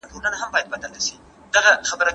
آیا د کلي کلا اوس هم هماغسې تاریخي ارزښت لري؟